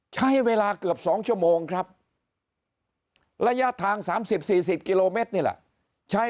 ใช้เวลาเกือบ๒ชั่วโมงครับระยะทาง๓๐๔๐กิโลเมตรนี่แหละใช้